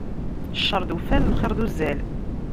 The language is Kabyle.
Cceṛ d uffal, lxiṛ d uzzal.